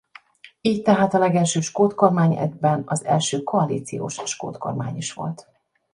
Így tehát a legelső skót kormány egyben az első koalíciós skót kormány is volt.